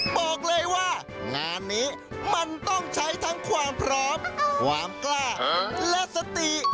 บอกเลยว่างานนี้มันต้องใช้ทั้งความพร้อมความกล้าและสติ